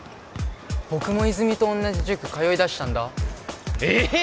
僕も泉と同じ塾通いだしたんだええっ！？